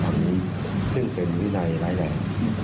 อันนี้ซึ่งเป็นวินัยร้ายแรง